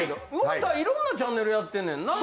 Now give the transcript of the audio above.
いろんなチャンネルやってんねんな。